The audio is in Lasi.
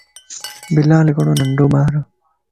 بلال ھڪڙو ننڍو ٻار